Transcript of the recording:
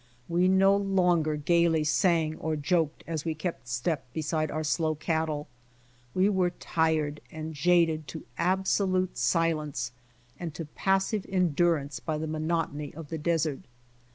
We no longer gaily sang or joked as we kept step beside our sIoav cattle,> we were tired and jaded to absolute silence and to passive endurance by the monotony of the desert.